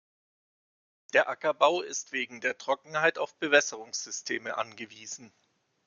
Der Ackerbau ist wegen der Trockenheit auf Bewässerungssysteme angewiesen.